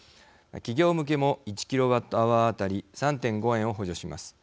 企業向けも１キロワットアワー当たり３．５円を補助します。